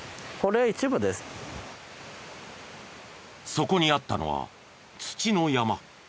そこにあったのは土の山。